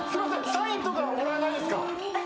サインとかもらえないですか？